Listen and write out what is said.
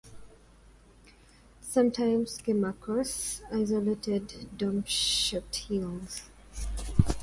Sometimes come across isolated dome-shaped hills.